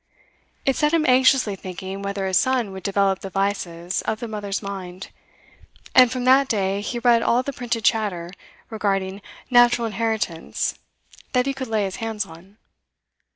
It set him anxiously thinking whether his son would develop the vices of the mother's mind, and from that day he read all the printed chatter regarding natural inheritance that he could lay his hands on.